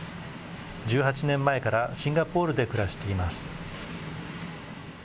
１８年前から、シンガポールで暮らしています。